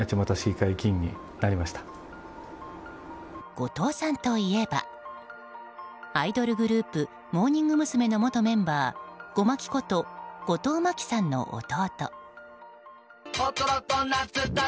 後藤さんといえばアイドルグループモーニング娘。の元メンバーゴマキこと後藤真希さんの弟。